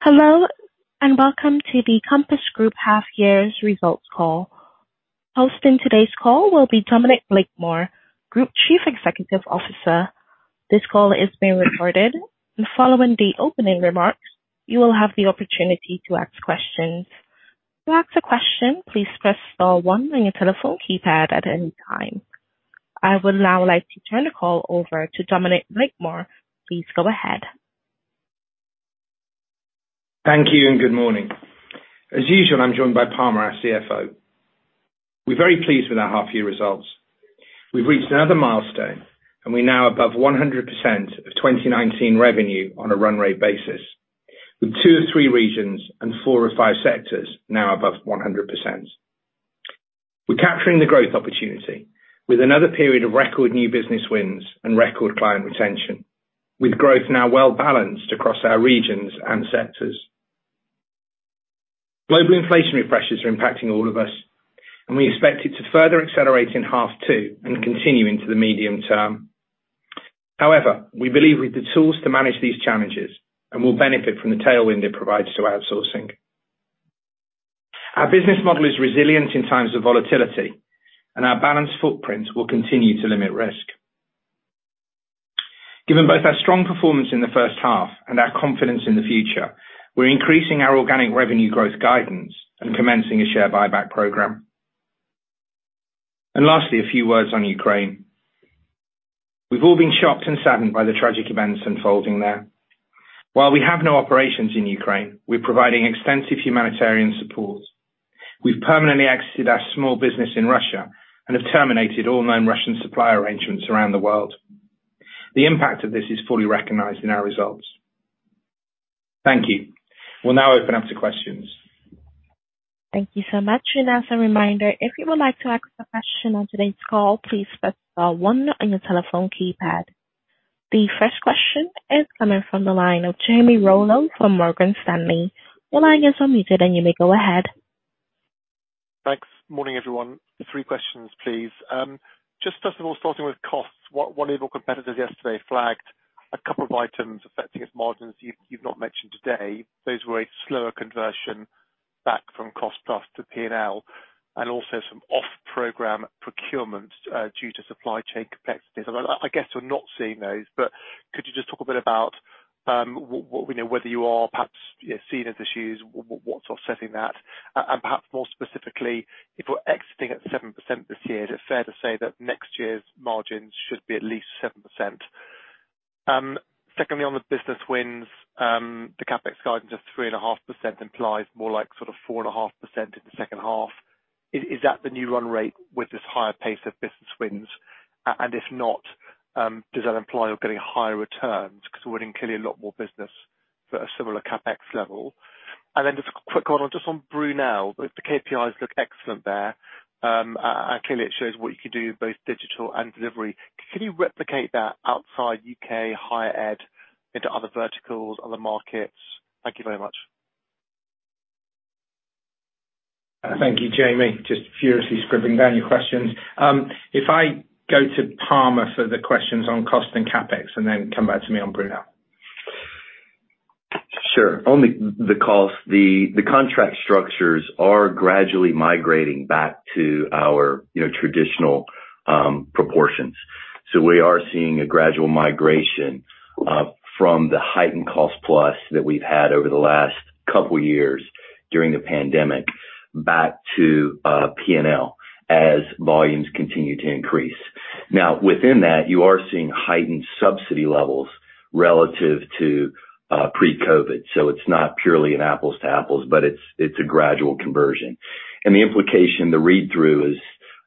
Hello, and welcome to the Compass Group Half Year's Results Call. Hosting today's call will be Dominic Blakemore, Group Chief Executive Officer. This call is being recorded. Following the opening remarks, you will have the opportunity to ask questions. To ask a question, please press star one on your telephone keypad at any time. I would now like to turn the call over to Dominic Blakemore. Please go ahead. Thank you, and good morning. As usual, I'm joined by Palmer, our CFO. We're very pleased with our half year results. We've reached another milestone, and we're now above 100% of 2019 revenue on a run rate basis, with two of three regions and four of five sectors now above 100%. We're capturing the growth opportunity with another period of record new business wins and record client retention, with growth now well-balanced across our regions and sectors. Global inflationary pressures are impacting all of us, and we expect it to further accelerate in half two and continue into the medium-term. However, we believe we've the tools to manage these challenges and will benefit from the tailwind it provides to outsourcing. Our business model is resilient in times of volatility, and our balanced footprint will continue to limit risk. Given both our strong performance in the first half and our confidence in the future, we're increasing our organic revenue growth guidance and commencing a share buyback program. Lastly, a few words on Ukraine. We've all been shocked and saddened by the tragic events unfolding there. While we have no operations in Ukraine, we're providing extensive humanitarian support. We've permanently exited our small business in Russia and have terminated all known Russian supplier arrangements around the world. The impact of this is fully recognized in our results. Thank you. We'll now open up to questions. Thank you so much. As a reminder, if you would like to ask a question on today's call, please press star one on your telephone keypad. The first question is coming from the line of Jamie Rollo from Morgan Stanley. Your line is unmuted, and you may go ahead. Thanks. Morning, everyone. Three questions, please. Just first of all, starting with costs, what one of your competitors yesterday flagged a couple of items affecting its margins you've not mentioned today. Those were a slower conversion back from cost-plus to P&L and also some off-program procurement due to supply chain complexities. I guess you're not seeing those, but could you just talk a bit about we know, whether you are perhaps, you know, seeing any issues, what's offsetting that? Perhaps more specifically, if we're exiting at 7% this year, is it fair to say that next year's margins should be at least 7%? Secondly, on the business wins, the CapEx guidance of 3.5% implies more like sort of 4.5% in the second half. Is that the new run rate with this higher pace of business wins? If not, does that imply you're getting higher returns? 'Cause you're winning clearly a lot more business for a similar CapEx level. Then just a quick one on Brunel. The KPIs look excellent there. Clearly it shows what you can do in both digital and delivery. Can you replicate that outside UK higher ed into other verticals, other markets? Thank you very much. Thank you, Jamie. Just furiously scribbling down your questions. If I go to Palmer for the questions on cost and CapEx and then come back to me on Brunel. Sure. On the cost, the contract structures are gradually migrating back to our, you know, traditional proportions. We are seeing a gradual migration from the heightened cost-plus that we've had over the last couple years during the pandemic back to P&L as volumes continue to increase. Now, within that, you are seeing heightened subsidy levels relative to pre-COVID. It's not purely an apples-to-apples, but it's a gradual conversion. The implication, the read-through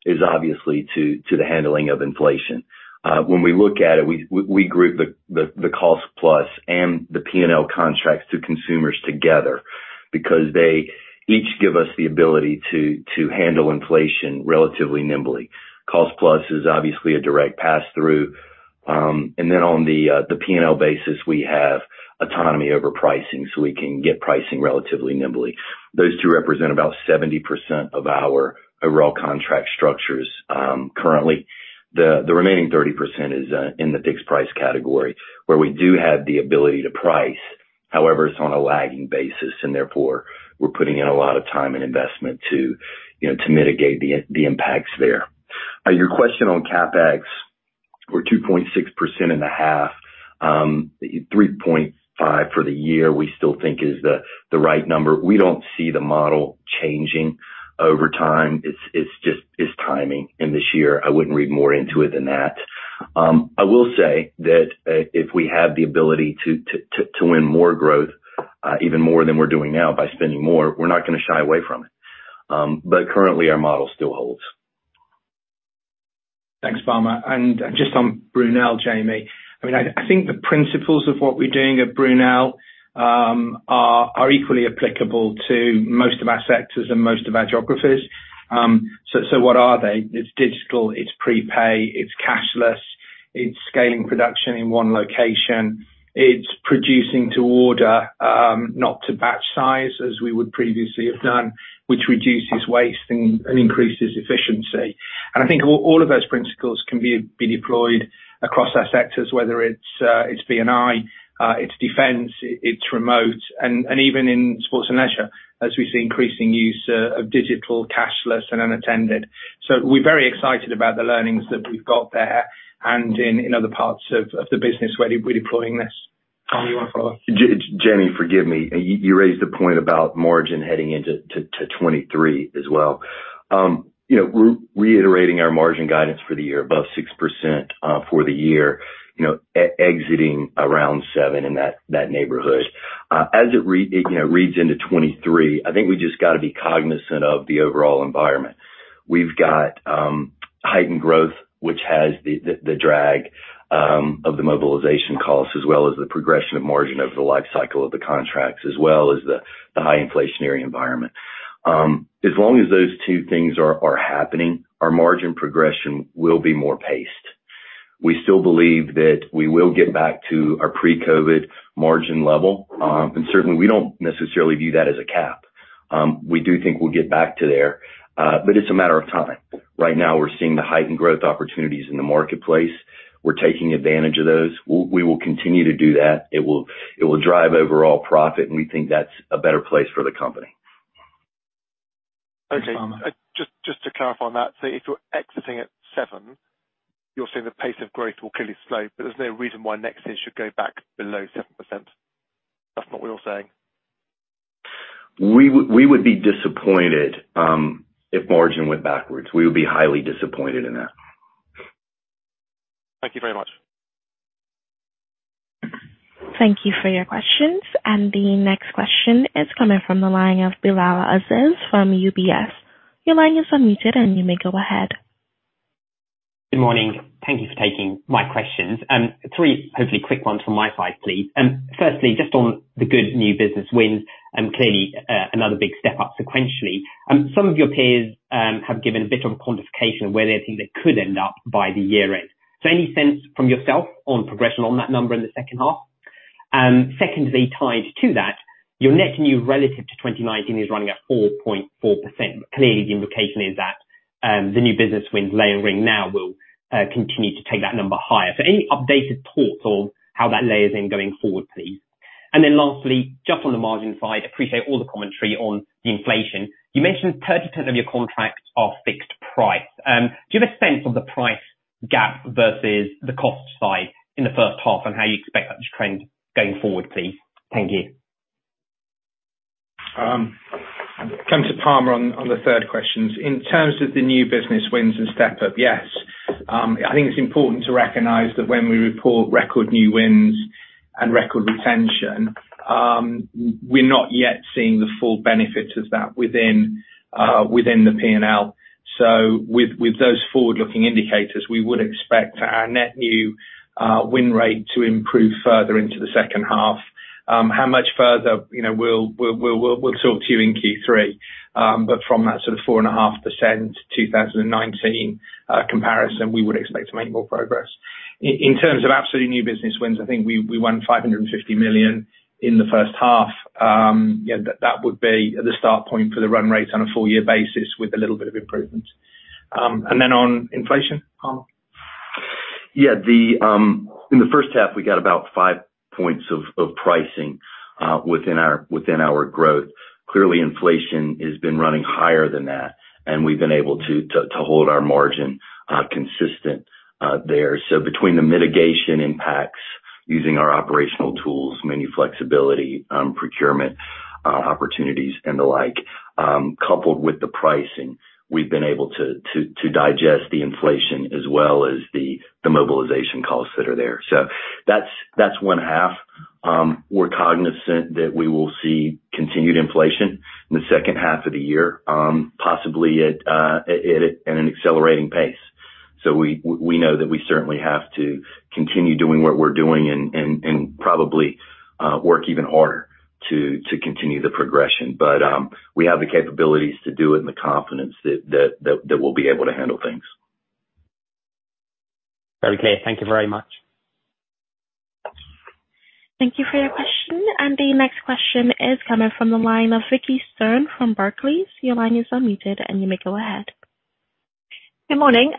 is obviously to the handling of inflation. When we look at it, we group the cost-plus and the P&L contracts to consumers together because they each give us the ability to handle inflation relatively nimbly. Cost-plus is obviously a direct pass-through. On the P&L basis, we have autonomy over pricing, so we can get pricing relatively nimbly. Those two represent about 70% of our overall contract structures, currently. The remaining 30% is in the fixed price category, where we do have the ability to price. However, it's on a lagging basis, and therefore, we're putting in a lot of time and investment to, you know, to mitigate the impacts there. Your question on CapEx, we're 2.6% in the half. 3.5% for the year, we still think is the right number. We don't see the model changing over time. It's just timing in this year. I wouldn't read more into it than that. I will say that, if we have the ability to win more growth, even more than we're doing now by spending more, we're not gonna shy away from it. Currently our model still holds. Thanks, Palmer. Just on Brunel, Jamie, I mean, I think the principles of what we're doing at Brunel are equally applicable to most of our sectors and most of our geographies. What are they? It's digital, it's prepay, it's cashless. It's scaling production in one location. It's producing to order, not to batch size as we would previously have done, which reduces waste and increases efficiency. I think all of those principles can be deployed across our sectors, whether it's B&I, it's defense, it's remote, and even in sports and leisure, as we see increasing use of digital, cashless, and unattended. We're very excited about the learnings that we've got there and in other parts of the business we're deploying this. Brown, you wanna follow? Jamie, forgive me. You raised a point about margin heading into 2023 as well. You know, reiterating our margin guidance for the year above 6%, for the year, you know, exiting around 7% in that neighborhood. As it reads into 2023, I think we just gotta be cognizant of the overall environment. We've got heightened growth, which has the drag of the mobilization costs, as well as the progression of margin over the life cycle of the contracts, as well as the high inflationary environment. As long as those two things are happening, our margin progression will be more paced. We still believe that we will get back to our pre-COVID margin level. Certainly, we don't necessarily view that as a cap. We do think we'll get back to there, but it's a matter of time. Right now, we're seeing the heightened growth opportunities in the marketplace. We're taking advantage of those. We will continue to do that. It will drive overall profit, and we think that's a better place for the company. Okay. Thanks, Palmer. Just to clarify on that. If you're exiting at 7%, you're saying the pace of growth will clearly slow, but there's no reason why next year should go back below 7%. That's not what you're saying? We would be disappointed if margin went backwards. We would be highly disappointed in that. Thank you very much. Thank you for your questions. The next question is coming from the line of Bilal Aziz from UBS. Your line is unmuted, and you may go ahead. Good morning. Thank you for taking my questions. Three hopefully quick ones from my side, please. Firstly, just on the good new business wins, clearly, another big step up sequentially. Some of your peers have given a bit of a quantification of where they think they could end up by the year end. Any sense from yourself on progression on that number in the second half? Secondly, tied to that, your net new relative to 2019 is running at 4.4%. Clearly, the indication is that the new business wins layering now will continue to take that number higher. Any updated thoughts on how that layers in going forward, please? Then lastly, just on the margin side, appreciate all the commentary on the inflation. You mentioned 30% of your contracts are fixed price. Do you have a sense of the price gap versus the cost side in the first half and how you expect that to trend going forward, please? Thank you. Come to Palmer on the third question. In terms of the new business wins and step up, yes. I think it's important to recognize that when we report record new wins and record retention, we're not yet seeing the full benefits of that within the P&L. With those forward-looking indicators, we would expect our net new win rate to improve further into the second half. How much further? You know, we'll talk to you in Q3. From that sort of 4.5% 2019 comparison, we would expect to make more progress. In terms of absolute new business wins, I think we won 550 million in the first half. Yeah, that would be the start point for the run rate on a full year basis with a little bit of improvement. On inflation, Palmer? Yeah. In the first half, we got about five points of pricing within our growth. Clearly, inflation has been running higher than that, and we've been able to hold our margin consistent there. Between the mitigation impacts using our operational tools, menu flexibility, procurement opportunities and the like, coupled with the pricing, we've been able to digest the inflation as well as the mobilization costs that are there. That's one half. We're cognizant that we will see continued inflation in the second half of the year, possibly at an accelerating pace. We know that we certainly have to continue doing what we're doing and probably work even harder to continue the progression. We have the capabilities to do it and the confidence that we'll be able to handle things. Okay. Thank you very much. Thank you for your question. The next question is coming from the line of Vicki Stern from Barclays. Your line is unmuted, and you may go ahead. Good morning.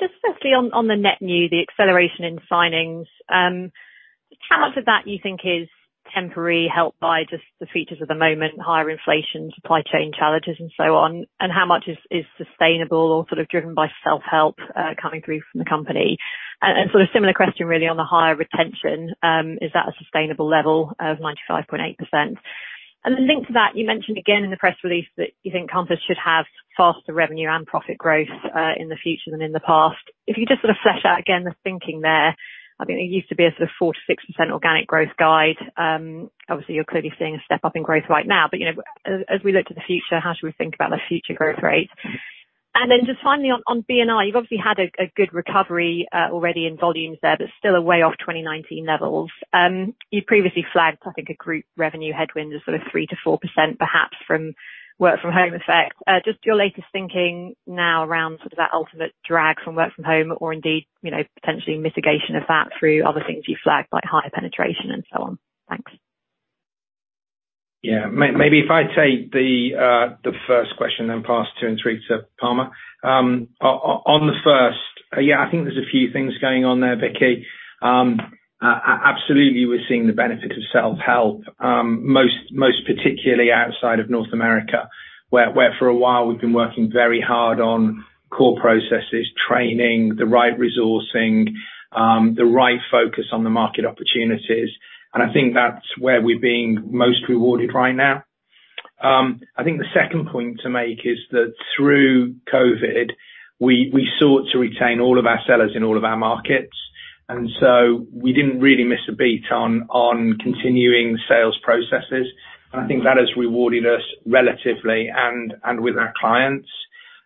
Just firstly on the net new, the acceleration in signings. How much of that you think is temporary, helped by just the features of the moment, higher inflation, supply chain challenges and so on, and how much is sustainable or sort of driven by self-help, coming through from the company? Sort of similar question really on the higher retention. Is that a sustainable level of 95.8%? The link to that, you mentioned again in the press release that you think Compass should have faster revenue and profit growth in the future than in the past. If you just sort of flesh out again the thinking there, I think there used to be a sort of 4%-6% organic growth guide. Obviously, you're clearly seeing a step-up in growth right now, but, you know, as we look to the future, how should we think about the future growth rate? Just finally on B&I, you've obviously had a good recovery already in volumes there, but still are way off 2019 levels. You previously flagged, I think, a group revenue headwind of sort of 3%-4% perhaps from work from home effects. Just your latest thinking now around sort of that ultimate drag from work from home or indeed, you know, potentially mitigation of that through other things you flagged, like higher penetration and so on. Thanks. Maybe if I take the first question and pass two and three to Palmer. On the first, yeah, I think there's a few things going on there, Vicki. Absolutely, we're seeing the benefit of self-help, most particularly outside of North America, where for a while we've been working very hard on core processes, training, the right resourcing, the right focus on the market opportunities. I think that's where we're being most rewarded right now. I think the second point to make is that through COVID, we sought to retain all of our sellers in all of our markets, and so we didn't really miss a beat on continuing sales processes. I think that has rewarded us relatively and with our clients.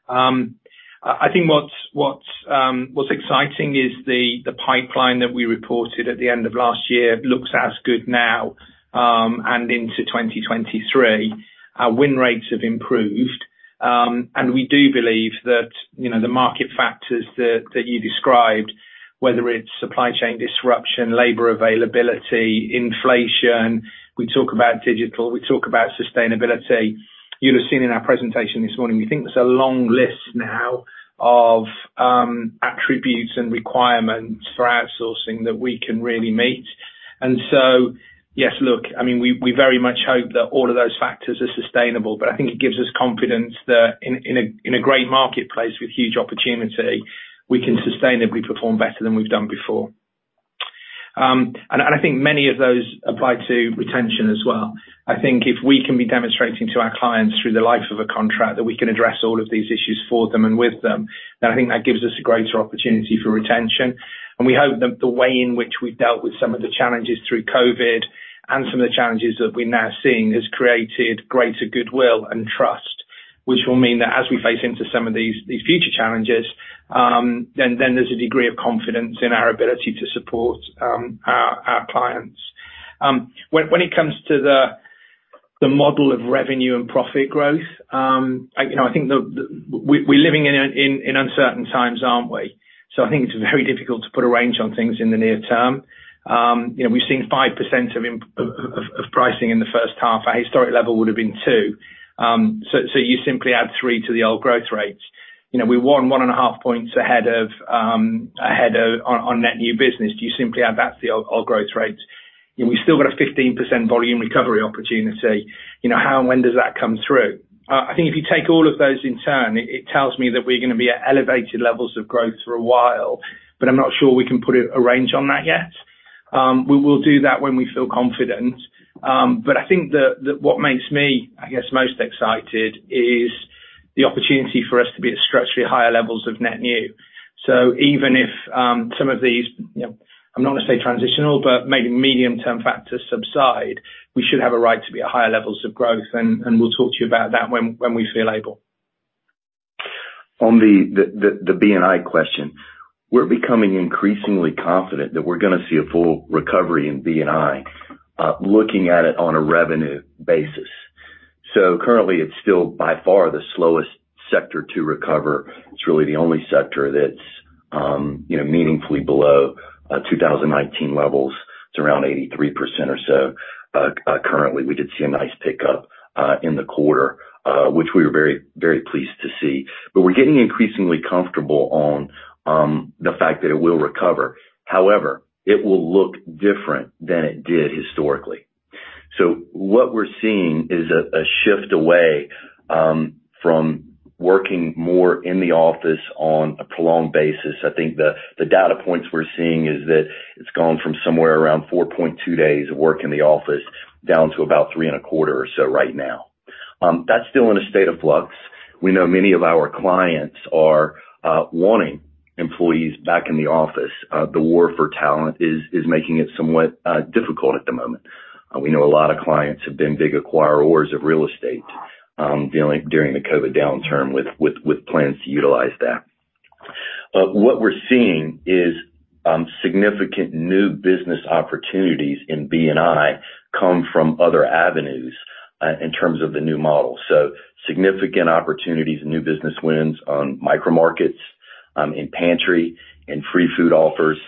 I think what's exciting is the pipeline that we reported at the end of last year looks as good now and into 2023. Our win rates have improved. We do believe that, you know, the market factors that you described, whether it's supply chain disruption, labor availability, inflation, we talk about digital, we talk about sustainability. You'll have seen in our presentation this morning, we think there's a long list now of attributes and requirements for outsourcing that we can really meet. Yes, look, I mean, we very much hope that all of those factors are sustainable, but I think it gives us confidence that in a great marketplace with huge opportunity, we can sustainably perform better than we've done before. I think many of those apply to retention as well. I think if we can be demonstrating to our clients through the life of a contract that we can address all of these issues for them and with them, then I think that gives us a greater opportunity for retention. We hope that the way in which we've dealt with some of the challenges through COVID and some of the challenges that we're now seeing has created greater goodwill and trust, which will mean that as we face into some of these future challenges, then there's a degree of confidence in our ability to support our clients. When it comes to the model of revenue and profit growth, you know, we're living in uncertain times, aren't we? I think it's very difficult to put a range on things in the near-term. You know, we've seen 5% of pricing in the first half. Our historic level would have been 2%. You simply add 3% to the old growth rates. You know, we're 1.5 points ahead on net new business. You simply add that to the old growth rates. You know, we've still got a 15% volume recovery opportunity. You know, how and when does that come through? I think if you take all of those in turn, it tells me that we're gonna be at elevated levels of growth for a while, but I'm not sure we can put a range on that yet. We will do that when we feel confident. I think that what makes me, I guess, most excited is the opportunity for us to be at structurally higher levels of net new. Even if some of these, you know, I'm not gonna say transitional, but maybe medium-term factors subside, we should have a right to be at higher levels of growth, and we'll talk to you about that when we feel able. On the B&I question, we're becoming increasingly confident that we're gonna see a full recovery in B&I, looking at it on a revenue basis. Currently, it's still by far the slowest sector to recover. It's really the only sector that's you know meaningfully below 2019 levels. It's around 83% or so. Currently, we did see a nice pickup in the quarter, which we were very, very pleased to see. We're getting increasingly comfortable on the fact that it will recover. However, it will look different than it did historically. What we're seeing is a shift away from working more in the office on a prolonged basis. I think the data points we're seeing is that it's gone from somewhere around 4.2 days of work in the office, down to about 3.25 or so right now. That's still in a state of flux. We know many of our clients are wanting employees back in the office. The war for talent is making it somewhat difficult at the moment. We know a lot of clients have been big acquirers of real estate during the COVID downturn with plans to utilize that. What we're seeing is significant new business opportunities in B&I come from other avenues in terms of the new model. Significant opportunities and new business wins on micro markets in pantry and free food offers.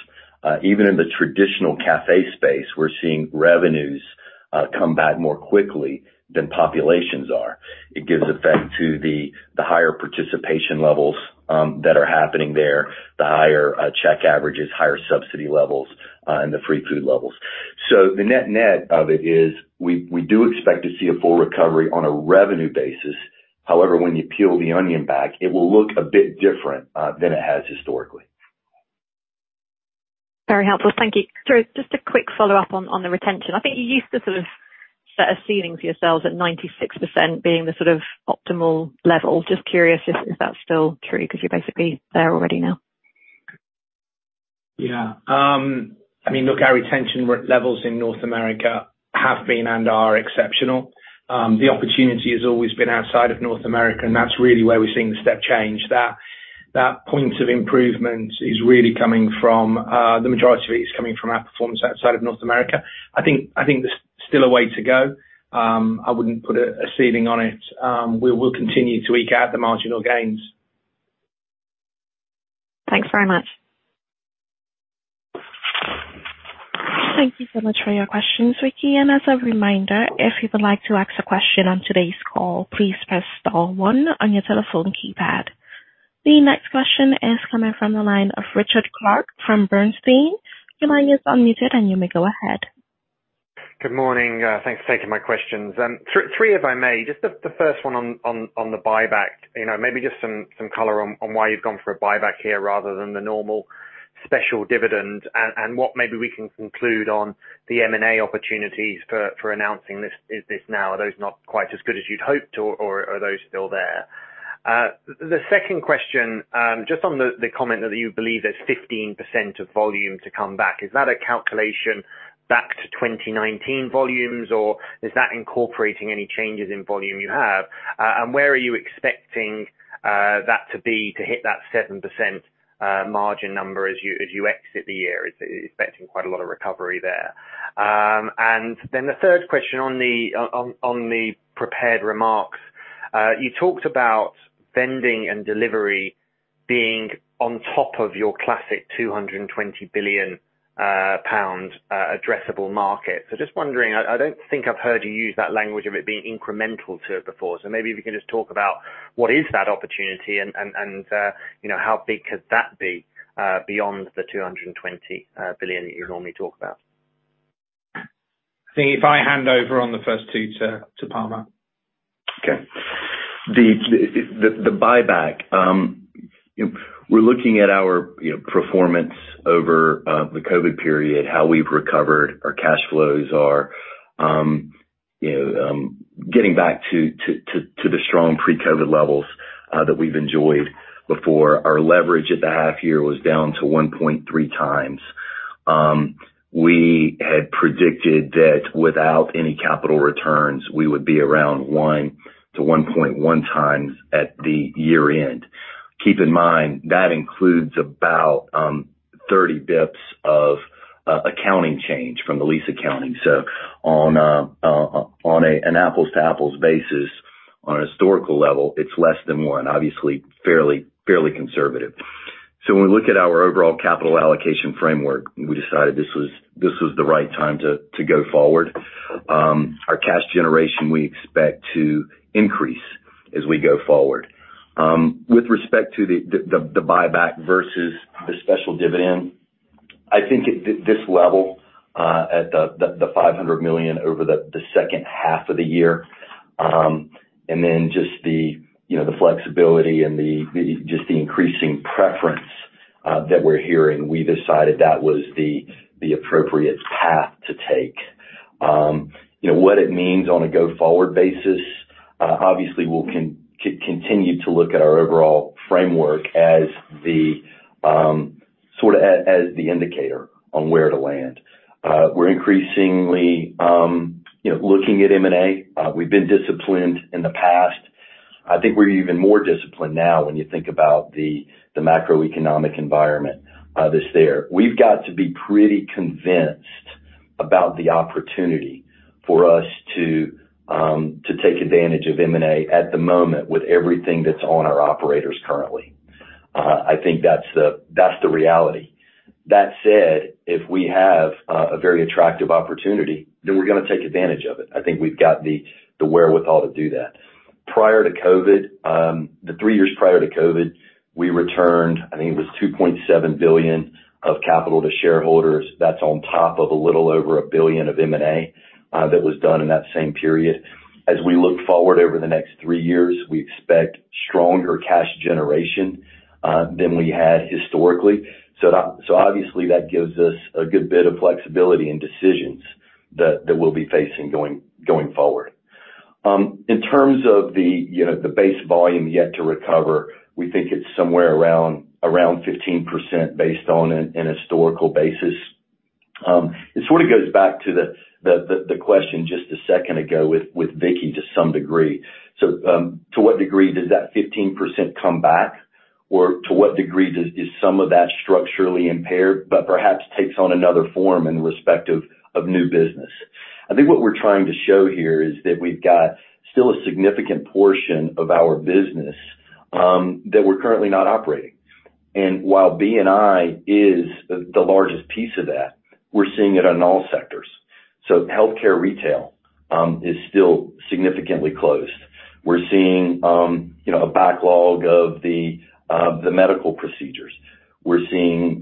Even in the traditional cafe space, we're seeing revenues come back more quickly than populations are. It gives effect to the higher participation levels that are happening there, the higher check averages, higher subsidy levels, and the free food levels. The net-net of it is we do expect to see a full recovery on a revenue basis. However, when you peel the onion back, it will look a bit different than it has historically. Very helpful. Thank you. Dominic, just a quick follow-up on the retention. I think you used to sort of set a ceiling for yourselves at 96% being the sort of optimal level. Just curious if that's still true because you're basically there already now. Yeah. I mean, look, our retention levels in North America have been and are exceptional. The opportunity has always been outside of North America, and that's really where we're seeing the step change. That point of improvement is really coming from the majority of it is coming from our performance outside of North America. I think there's still a way to go. I wouldn't put a ceiling on it. We will continue to eke out the marginal gains. Thanks very much. Thank you so much for your question, Vicki. As a reminder, if you would like to ask a question on today's call, please press star one on your telephone keypad. The next question is coming from the line of Richard Clarke from Bernstein. Your line is unmuted, and you may go ahead. Good morning. Thanks for taking my questions. Three, if I may, just the first one on the buyback. You know, maybe just some color on why you've gone for a buyback here rather than the normal special dividend and what maybe we can conclude on the M&A opportunities for announcing this now. Are those not quite as good as you'd hoped or are those still there? The second question, just on the comment that you believe there's 15% of volume to come back, is that a calculation back to 2019 volumes or is that incorporating any changes in volume you have? Where are you expecting that to be to hit that 7% margin number as you exit the year? Expecting quite a lot of recovery there. The third question on the prepared remarks. You talked about vending and delivery being on top of your classic 220 billion pound addressable market. Just wondering, I don't think I've heard you use that language of it being incremental to it before. Maybe if you can just talk about what is that opportunity and you know, how big could that be beyond the 220 billion you normally talk about. I think if I hand over on the first two to Palmer. Okay. The buyback. You know, we're looking at our, you know, performance over the COVID period, how we've recovered, our cash flows are, you know, getting back to the strong pre-COVID levels that we've enjoyed before. Our leverage at the half year was down to 1.3x. We had predicted that without any capital returns, we would be around 1-1.1x at the year-end. Keep in mind, that includes about 30 basis points of accounting change from the lease accounting. On an apples-to-apples basis, on a historical level, it's less than one, obviously fairly conservative. When we look at our overall capital allocation framework, we decided this was the right time to go forward. Our cash generation, we expect to increase as we go forward. With respect to the buyback versus the special dividend, I think at this level, at the 500 million over the second half of the year, and then just the, you know, the flexibility and the just the increasing preference that we're hearing, we decided that was the appropriate path to take. You know what it means on a go-forward basis, obviously we'll continue to look at our overall framework as the sort as the indicator on where to land. We're increasingly, you know, looking at M&A. We've been disciplined in the past. I think we're even more disciplined now when you think about the macroeconomic environment that's there. We've got to be pretty convinced about the opportunity for us to take advantage of M&A at the moment with everything that's on our operators currently. I think that's the reality. That said, if we have a very attractive opportunity, then we're gonna take advantage of it. I think we've got the wherewithal to do that. Prior to COVID, the three years prior to COVID, we returned, I think it was 2.7 billion of capital to shareholders. That's on top of a little over 1 billion of M&A that was done in that same period. As we look forward over the next three years, we expect stronger cash generation than we had historically. Obviously that gives us a good bit of flexibility in decisions that we'll be facing going forward. In terms of the, you know, the base volume yet to recover, we think it's somewhere around 15% based on an historical basis. It sort of goes back to the question just a second ago with Vicki, to some degree. To what degree does that 15% come back? Or to what degree is some of that structurally impaired, but perhaps takes on another form in respect of new business? I think what we're trying to show here is that we've got still a significant portion of our business that we're currently not operating. While B&I is the largest piece of that, we're seeing it in all sectors. Healthcare, Retail is still significantly closed. We're seeing, you know, a backlog of the medical procedures. We're seeing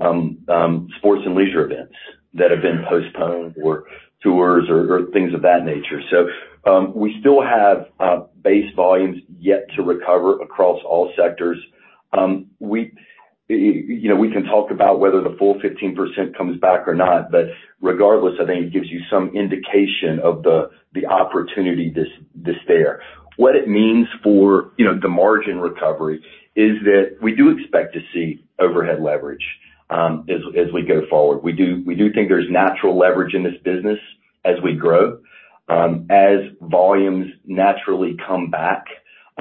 sports and leisure events that have been postponed or tours or things of that nature. We still have base volumes yet to recover across all sectors. You know, we can talk about whether the full 15% comes back or not, but regardless, I think it gives you some indication of the opportunity that's there. What it means for, you know, the margin recovery is that we do expect to see overhead leverage as we go forward. We do think there's natural leverage in this business as we grow. As volumes naturally come back,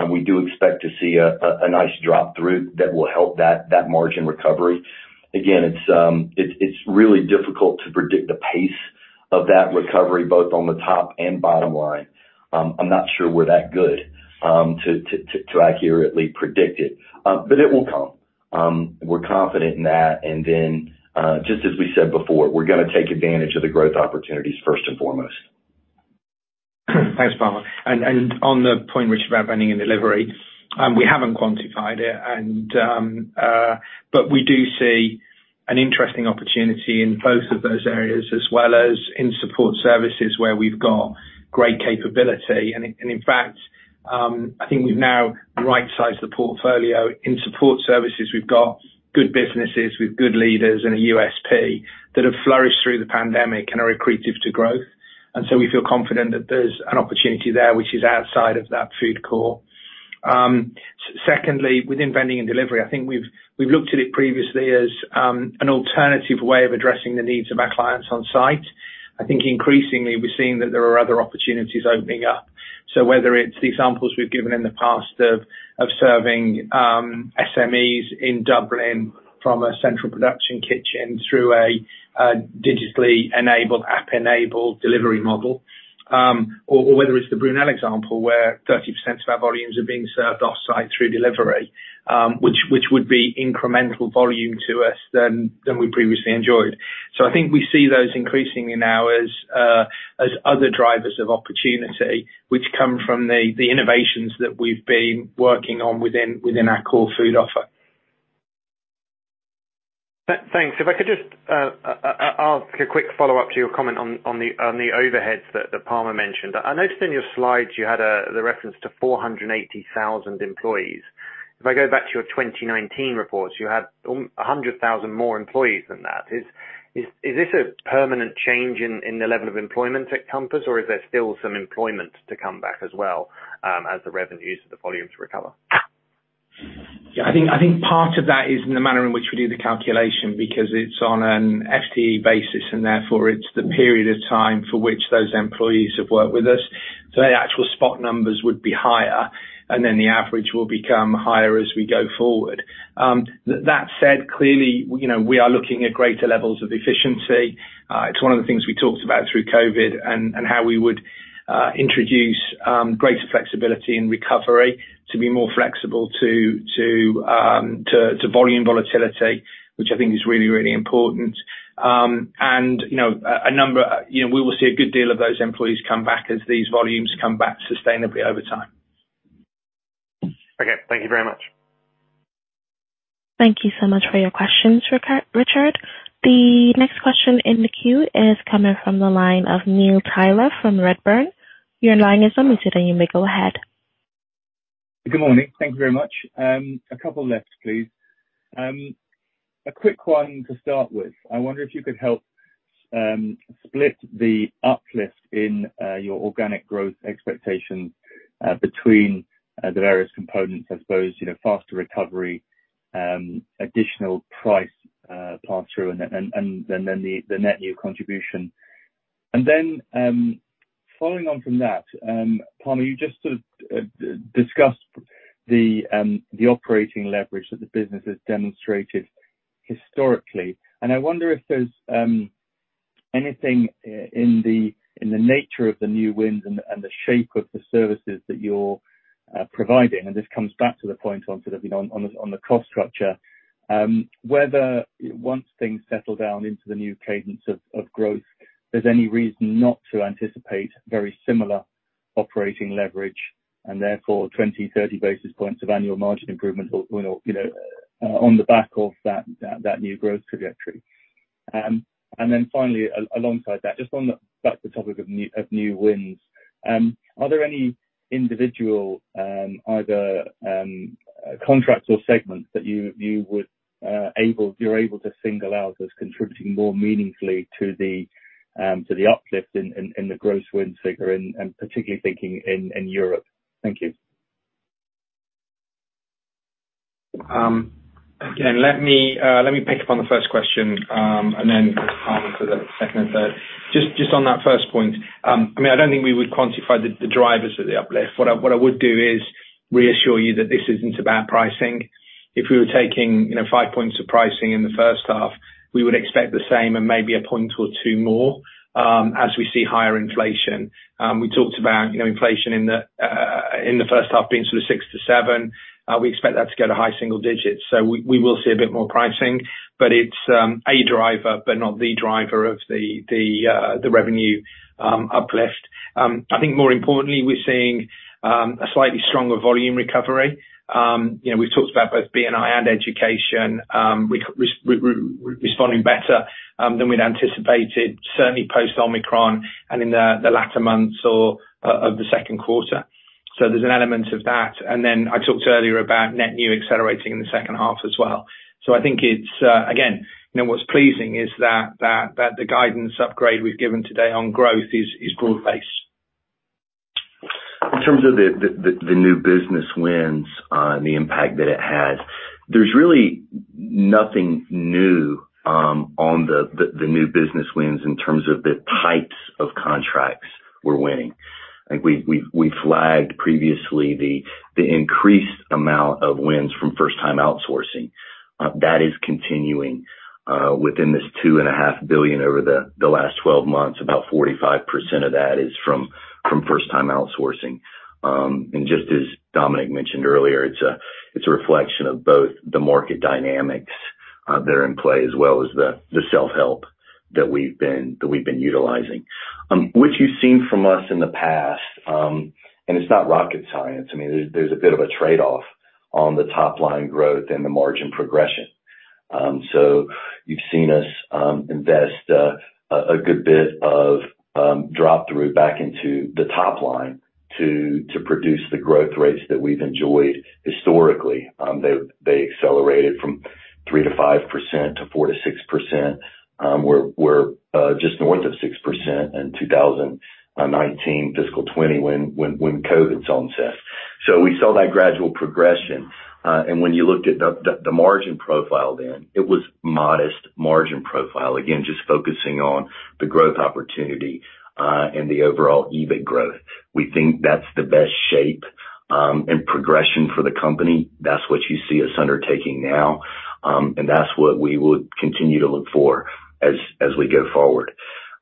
we do expect to see a nice drop through that will help that margin recovery. Again, it's really difficult to predict the pace of that recovery, both on the top and bottom line. I'm not sure we're that good to accurately predict it. But it will come. We're confident in that. Then, just as we said before, we're gonna take advantage of the growth opportunities first and foremost. Thanks, Palmer. On the point, Richard, about vending and delivery, we haven't quantified it and, but we do see an interesting opportunity in both of those areas, as well as in support services where we've got great capability. In fact, I think we've now right-sized the portfolio. In support services, we've got good businesses with good leaders and a USP that have flourished through the pandemic and are accretive to growth. We feel confident that there's an opportunity there which is outside of that food core. Secondly, within vending and delivery, I think we've looked at it previously as an alternative way of addressing the needs of our clients on site. I think increasingly we're seeing that there are other opportunities opening up. Whether it's the examples we've given in the past of serving SMEs in Dublin from a central production kitchen through a digitally enabled, app-enabled delivery model, or whether it's the Brunel example, where 30% of our volumes are being served off-site through delivery, which would be incremental volume to us than we previously enjoyed. I think we see those increasing now as other drivers of opportunity which come from the innovations that we've been working on within our core food offer. Thanks. If I could just ask a quick follow-up to your comment on the overheads that Palmer mentioned. I noticed in your slides you had the reference to 480,000 employees. If I go back to your 2019 reports, you had 100,000 more employees than that. Is this a permanent change in the level of employment at Compass, or is there still some employment to come back as well, as the revenues and the volumes recover? Yeah. I think part of that is in the manner in which we do the calculation because it's on an FTE basis and therefore it's the period of time for which those employees have worked with us. The actual spot numbers would be higher, and then the average will become higher as we go forward. That said, clearly, you know, we are looking at greater levels of efficiency. It's one of the things we talked about through COVID and how we would introduce greater flexibility in recovery to be more flexible to volume volatility, which I think is really important. You know, we will see a good deal of those employees come back as these volumes come back sustainably over time. Okay. Thank you very much. Thank you so much for your questions, Richard. The next question in the queue is coming from the line of Neil Tyler from Redburn. Your line is unmuted and you may go ahead. Good morning. Thank you very much. A couple left, please. A quick one to start with. I wonder if you could help split the uplift in your organic growth expectations between the various components, I suppose, you know, faster recovery, additional price pass-through, and then the net new contribution. Following on from that, Palmer, you just sort of discussed the operating leverage that the business has demonstrated historically, and I wonder if there's anything in the nature of the new wins and the shape of the services that you're providing, and this comes back to the point on sort of, you know, on the cost structure, whether once things settle down into the new cadence of growth, there's any reason not to anticipate very similar operating leverage, and therefore 20-30 basis points of annual margin improvement or, you know, on the back of that new growth trajectory. Finally, alongside that, back to the topic of new wins, are there any individual either contracts or segments that you would be able to single out as contributing more meaningfully to the uplift in the gross wins figure, and particularly thinking in Europe? Thank you. Again, let me pick up on the first question, and then for Palmer for the second and third. Just on that first point, I mean, I don't think we would quantify the drivers of the uplift. What I would do is reassure you that this isn't about pricing. If we were taking, you know, five points of pricing in the first half, we would expect the same and maybe a point or two more, as we see higher inflation. We talked about, you know, inflation in the first half being sort of 6%-7%. We expect that to go to high single digits. We will see a bit more pricing, but it's a driver, but not the driver of the revenue uplift. I think more importantly, we're seeing a slightly stronger volume recovery. You know, we've talked about both B&I and education responding better than we'd anticipated, certainly post-Omicron and in the latter months of the second quarter. There's an element of that. Then I talked earlier about net new accelerating in the second half as well. I think it's again, you know, what's pleasing is that the guidance upgrade we've given today on growth is broad-based. In terms of the new business wins and the impact that it has, there's really nothing new on the new business wins in terms of the types of contracts we're winning. I think we flagged previously the increased amount of wins from first-time outsourcing. That is continuing within this 2.5 billion over the last 12 months, about 45% of that is from first-time outsourcing. Just as Dominic mentioned earlier, it's a reflection of both the market dynamics that are in play as well as the self-help that we've been utilizing. What you've seen from us in the past, and it's not rocket science. I mean, there's a bit of a trade-off on the top line growth and the margin progression. You've seen us invest a good bit of drop through back into the top line to produce the growth rates that we've enjoyed historically. They accelerated from 3%-5% to 4%-6%. We're just north of 6% in 2019, fiscal 2020 when COVID's onset. We saw that gradual progression. When you looked at the margin profile then, it was modest margin profile, again, just focusing on the growth opportunity and the overall EBIT growth. We think that's the best shape and progression for the company. That's what you see us undertaking now. That's what we will continue to look for as we go forward.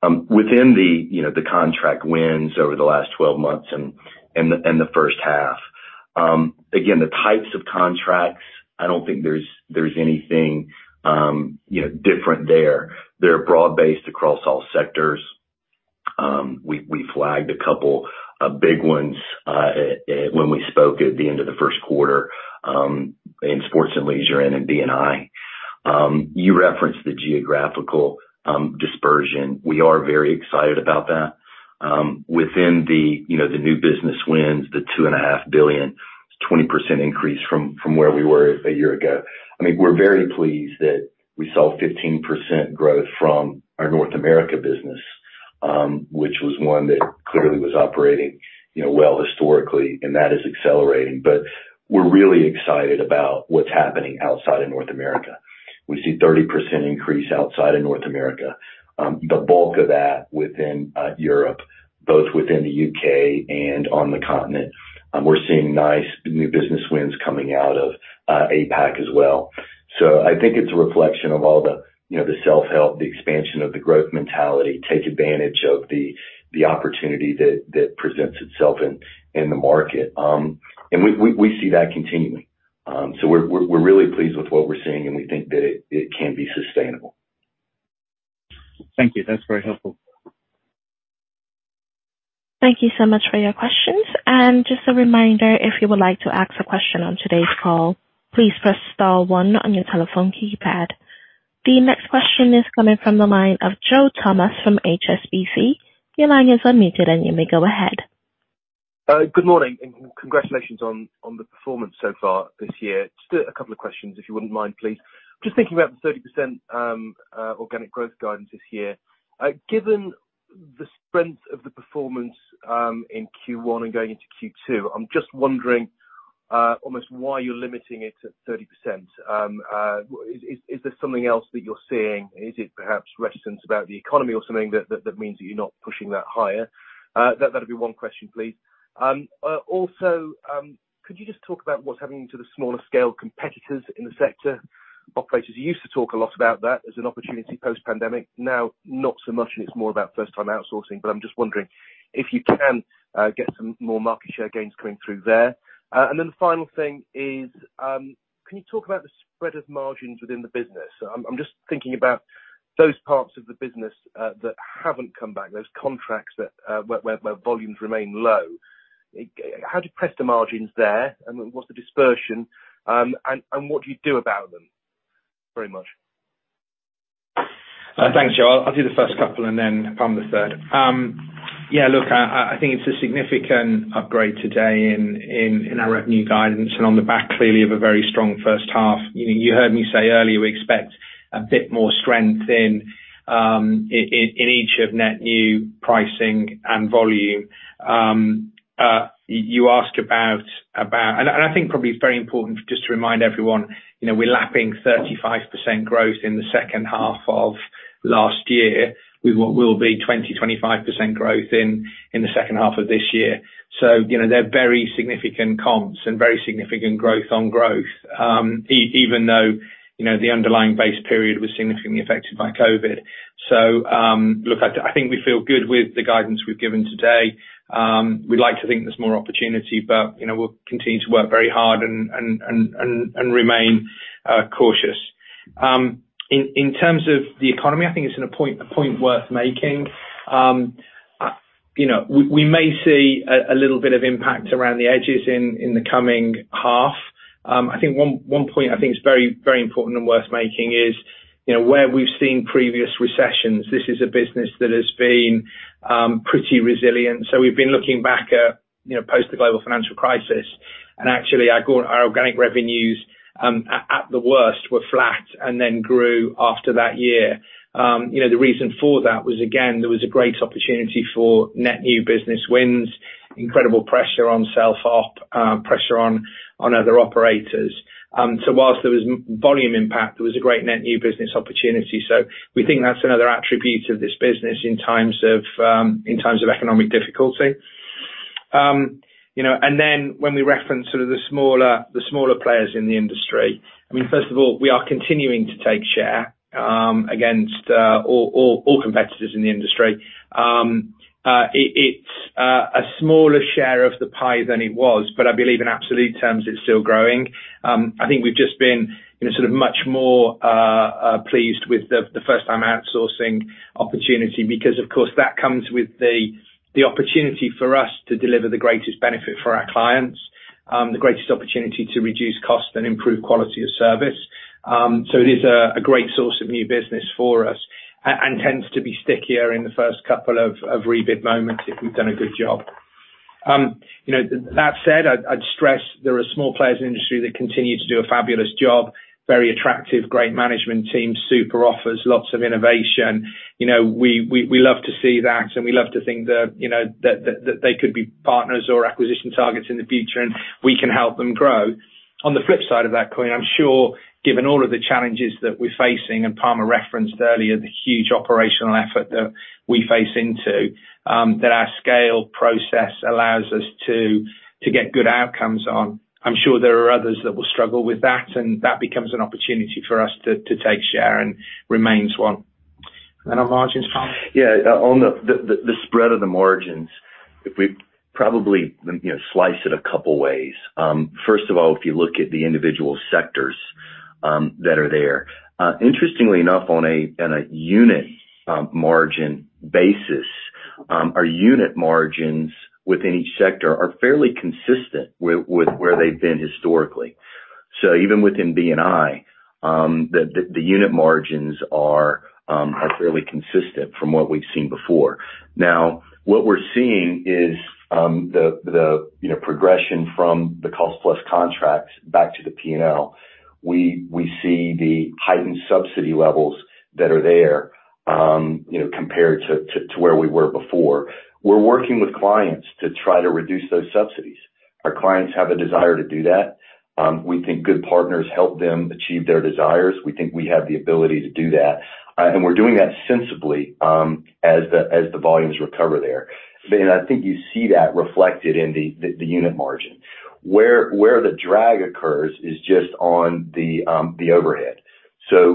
Within the, you know, the contract wins over the last 12 months and the first half. Again, the types of contracts, I don't think there's anything, you know, different there. They're broad-based across all sectors. We flagged a couple of big ones when we spoke at the end of the first quarter in sports and leisure and in D&E. You referenced the geographical dispersion. We are very excited about that. Within the, you know, the new business wins, the 2.5 billion, it's 20% increase from where we were a year ago. I mean, we're very pleased that we saw 15% growth from our North America business, which was one that clearly was operating, you know, well historically, and that is accelerating. We're really excited about what's happening outside of North America. We see 30% increase outside of North America. The bulk of that within Europe, both within the UK and on the continent. We're seeing nice new business wins coming out of APAC as well. I think it's a reflection of all the, you know, the self-help, the expansion of the growth mentality, take advantage of the opportunity that presents itself in the market. We see that continuing. We're really pleased with what we're seeing, and we think that it can be sustainable. Thank you. That's very helpful. Thank you so much for your questions. Just a reminder, if you would like to ask a question on today's call, please press star one on your telephone keypad. The next question is coming from the line of Joe Thomas from HSBC. Your line is unmuted, and you may go ahead. Good morning, and congratulations on the performance so far this year. Just a couple of questions, if you wouldn't mind, please. Just thinking about the 30% organic growth guidance this year. Given the strength of the performance in Q1 and going into Q2, I'm just wondering almost why you're limiting it to 30%. Is there something else that you're seeing? Is it perhaps reticent about the economy or something that means that you're not pushing that higher? That'd be one question, please. Also, could you just talk about what's happening to the smaller scale competitors in the sector? Operators used to talk a lot about that as an opportunity post-pandemic. Now, not so much, and it's more about first time outsourcing. I'm just wondering if you can get some more market share gains coming through there. Then the final thing is, can you talk about the spread of margins within the business? I'm just thinking about those parts of the business that haven't come back, those contracts that where volumes remain low. How do you press the margins there, and what's the dispersion? What do you do about them? Very much. Thanks, Joe. I'll do the first couple and then pass on the third. Yeah, look, I think it's a significant upgrade today in our revenue guidance and on the back clearly of a very strong first half. You heard me say earlier, we expect a bit more strength in each of net new pricing and volume. You asked about. I think probably it's very important just to remind everyone, you know, we're lapping 35% growth in the second half of last year. We will be 25% growth in the second half of this year. You know, they're very significant comps and very significant growth on growth, even though, you know, the underlying base period was significantly affected by COVID. Look, I think we feel good with the guidance we've given today. We'd like to think there's more opportunity, but, you know, we'll continue to work very hard and remain cautious. In terms of the economy, I think it's a point worth making. You know, we may see a little bit of impact around the edges in the coming half. I think one point I think is very important and worth making is, you know, where we've seen previous recessions, this is a business that has been pretty resilient. We've been looking back at, you know, post the Global Financial Crisis. Actually, our organic revenues at the worst were flat and then grew after that year. You know, the reason for that was, again, there was a great opportunity for net new business wins, incredible pressure on self-op, pressure on other operators. While there was volume impact, there was a great net new business opportunity. We think that's another attribute of this business in times of economic difficulty. You know, when we reference sort of the smaller players in the industry, I mean, first of all, we are continuing to take share against all competitors in the industry. It's a smaller share of the pie than it was, but I believe in absolute terms it's still growing. I think we've just been much more pleased with the first time outsourcing opportunity because of course, that comes with the opportunity for us to deliver the greatest benefit for our clients, the greatest opportunity to reduce costs and improve quality of service. It is a great source of new business for us and tends to be stickier in the first couple of rebid moments if we've done a good job. You know, that said, I'd stress there are small players in the industry that continue to do a fabulous job, very attractive, great management team, super offers, lots of innovation. You know, we love to see that, and we love to think that, you know, that they could be partners or acquisition targets in the future, and we can help them grow. On the flip side of that coin, I'm sure given all of the challenges that we're facing, and Palmer referenced earlier, the huge operational effort that we face into, that our scale process allows us to get good outcomes on. I'm sure there are others that will struggle with that, and that becomes an opportunity for us to take share and remains one. Then on margins, Palmer? Yeah. On the spread of the margins, if we probably, you know, slice it a couple ways. First of all, if you look at the individual sectors that are there, interestingly enough, on a unit margin basis, our unit margins within each sector are fairly consistent with where they've been historically. Even within B&I, the unit margins are fairly consistent from what we've seen before. Now, what we're seeing is the progression from the cost-plus contracts back to the P&L. We see the heightened subsidy levels that are there, you know, compared to where we were before. We're working with clients to try to reduce those subsidies. Our clients have a desire to do that. We think good partners help them achieve their desires. We think we have the ability to do that. We're doing that sensibly, as the volumes recover there. I think you see that reflected in the unit margin. Where the drag occurs is just on the overhead.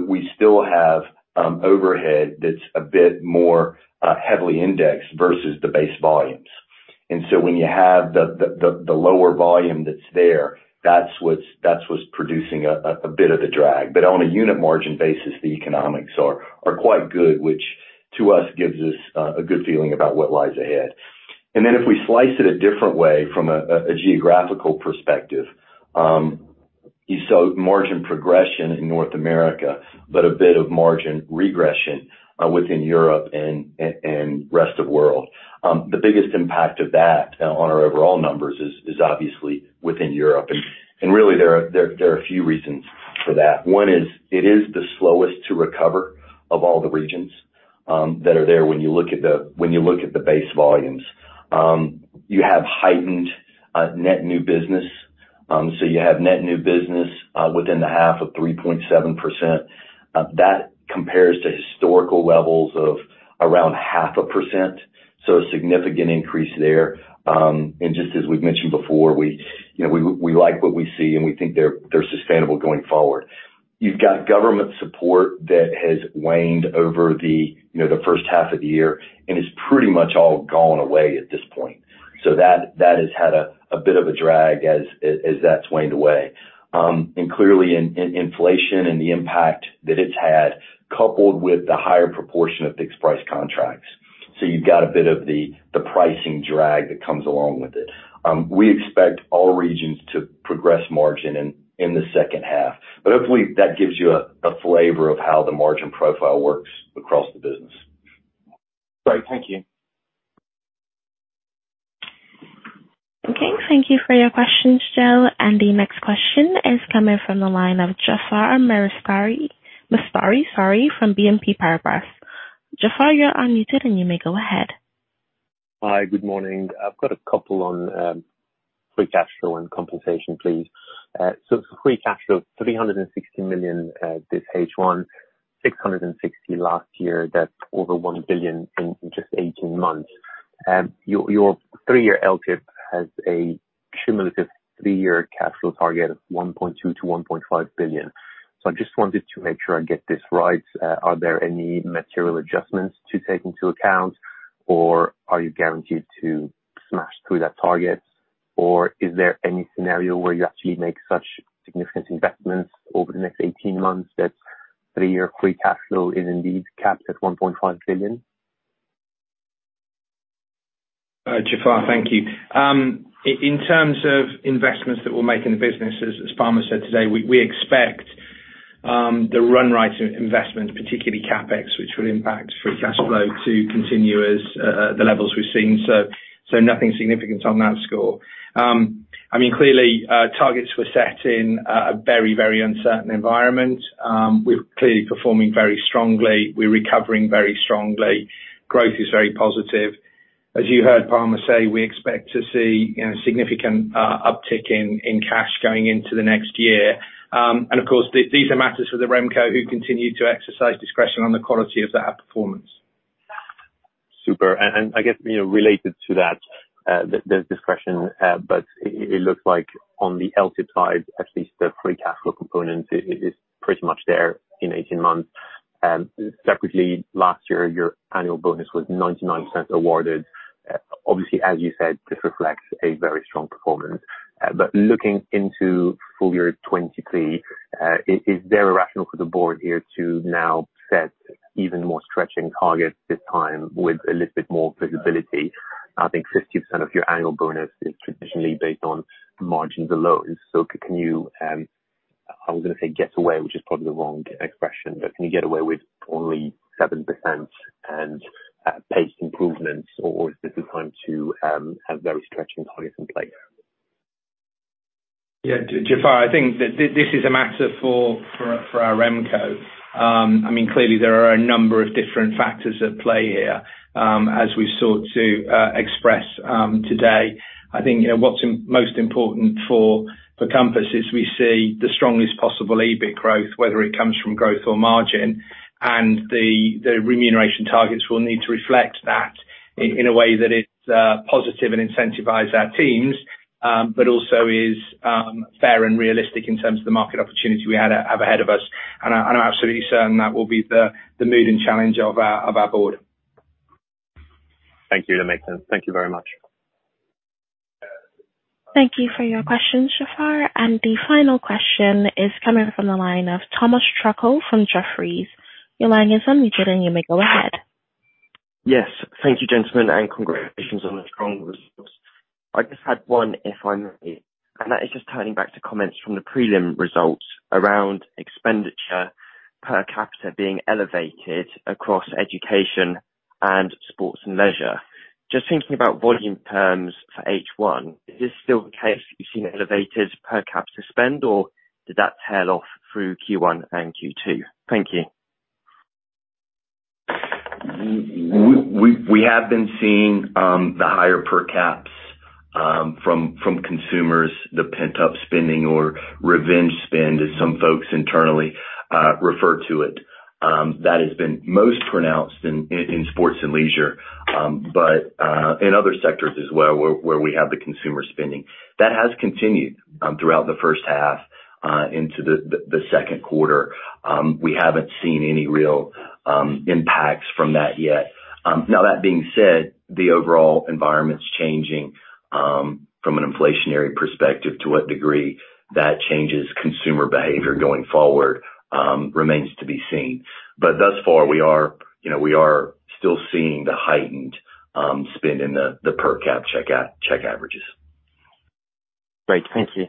We still have overhead that's a bit more heavily indexed versus the base volumes. When you have the lower volume that's there, that's what's producing a bit of the drag. On a unit margin basis, the economics are quite good, which to us gives us a good feeling about what lies ahead. If we slice it a different way from a geographical perspective, you saw margin progression in North America, but a bit of margin regression within Europe and Rest of World. The biggest impact of that on our overall numbers is obviously within Europe. Really, there are a few reasons for that. One is it is the slowest to recover of all the regions that are there when you look at the base volumes. You have heightened net new business. So you have net new business within the half of 3.7%. That compares to historical levels of around 0.5%, so a significant increase there. Just as we've mentioned before, you know, we like what we see, and we think they're sustainable going forward. You've got government support that has waned over the, you know, the first half of the year and is pretty much all gone away at this point. That has had a bit of a drag as that's waned away. Clearly in inflation and the impact that it's had coupled with the higher proportion of fixed price contracts. You've got a bit of the pricing drag that comes along with it. We expect all regions to progress margin in the second half. Hopefully, that gives you a flavor of how the margin profile works across the business. Great. Thank you. Okay, thank you for your questions, Joe. The next question is coming from the line of Jaafar Mestari, sorry, from BNP Paribas. Jaafar, you're unmuted, and you may go ahead. Hi. Good morning. I've got a couple on free cash flow and compensation, please. Free cash flow 360 million this H1, 660 last year. That's over 1 billion in just 18 months. Your three-year LTIP has a cumulative three-year cash flow target of 1.2 billion-1.5 billion. I just wanted to make sure I get this right. Are there any material adjustments to take into account, or are you guaranteed to smash through that target? Or is there any scenario where you actually make such significant investments over the next 18 months that three-year free cash flow is indeed capped at 1.5 billion? Jaafar, thank you. In terms of investments that we'll make in the business, as Palmer said today, we expect the run rate investment, particularly CapEx, which will impact free cash flow to continue as the levels we've seen. Nothing significant on that score. I mean, clearly, targets were set in a very, very uncertain environment. We're clearly performing very strongly. We're recovering very strongly. Growth is very positive. As you heard Palmer say, we expect to see, you know, significant uptick in cash going into the next year. Of course, these are matters for the RemCo who continue to exercise discretion on the quality of that outperformance. Super. I guess, you know, related to that, there's discretion, but it looks like on the LTIP side, at least the free cash flow component is pretty much there in 18 months. Separately, last year your annual bonus was 99% awarded. Obviously, as you said, this reflects a very strong performance. Looking into full year 2023, is there a rationale for the board here to now set even more stretching targets this time with a little bit more visibility? I think 50% of your annual bonus is traditionally based on margins and LFLs. Can you, I was gonna say get away, which is probably the wrong expression, but can you get away with only 7% and pace improvements, or is this the time to have very stretching targets in place? Yeah. Jaafar, I think this is a matter for our RemCo. I mean, clearly there are a number of different factors at play here, as we've sought to express today. I think, you know, what's most important for Compass is we see the strongest possible EBIT growth, whether it comes from growth or margin, and the remuneration targets will need to reflect that in a way that it's positive and incentivize our teams, but also is fair and realistic in terms of the market opportunity we have ahead of us. I'm absolutely certain that will be the mood and challenge of our board. Thank you, Blakemore. Thank you very much. Thank you for your question, Jaafar. The final question is coming from the line of Thomas Truckle from Jefferies. Your line is on. You go ahead. Yes. Thank you, gentlemen, and congratulations on the strong results. I just had one if I may, and that is just turning back to comments from the prelim results around expenditure per capita being elevated across education and sports and leisure. Just thinking about volume terms for H1, is this still the case that you've seen elevated per capita spend, or did that tail off through Q1 and Q2? Thank you. We have been seeing the higher per caps from consumers, the pent-up spending or revenge spend, as some folks internally refer to it. That has been most pronounced in sports and leisure, but in other sectors as well where we have the consumer spending. That has continued throughout the first half into the second quarter. We haven't seen any real impacts from that yet. Now that being said, the overall environment's changing from an inflationary perspective. To what degree that changes consumer behavior going forward remains to be seen. Thus far, you know, we are still seeing the heightened spend in the per cap check averages. Great. Thank you.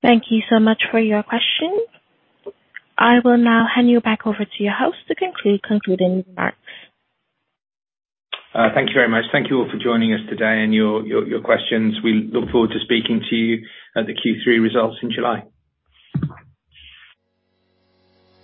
Thank you so much for your question. I will now hand you back over to your host to conclude concluding remarks. Thank you very much. Thank you all for joining us today and your questions. We look forward to speaking to you at the Q3 results in July.